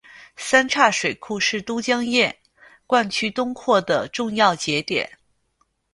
三岔水库是都江堰灌区东扩的重要节点。